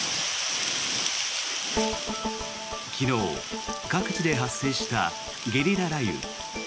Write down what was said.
昨日、各地で発生したゲリラ雷雨。